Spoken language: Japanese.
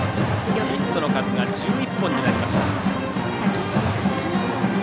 ヒットの数が１１本になりました。